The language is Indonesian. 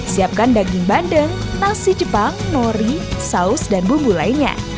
siapkan daging bandeng nasi jepang nori saus dan bumbu lainnya